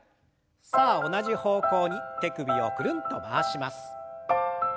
さあ同じ方向に手首をくるんと回します。